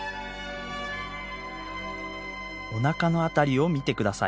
おなかの辺りを見てください。